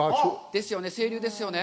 ですよね、清流ですよね。